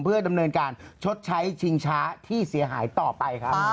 เพื่อดำเนินการชดใช้ชิงช้าที่เสียหายต่อไปครับ